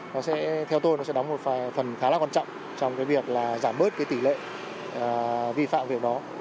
nó sẽ theo tôi nó sẽ đóng một phần khá là quan trọng trong cái việc là giảm bớt cái tỷ lệ vi phạm việc đó